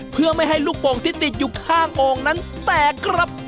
เพื่อไม่ให้ลูกโป่งที่ติดอยู่ข้างโอ่งนั้นแตกครับ